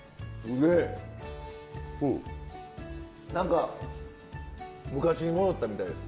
何か昔に戻ったみたいです。